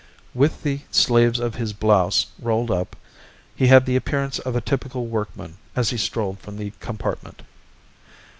With the sleeves of his blouse rolled up he had the appearance of a typical workman as he strolled from the compartment.